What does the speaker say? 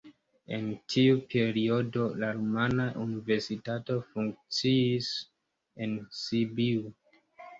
En tiu periodo la rumana universitato funkciis en Sibiu.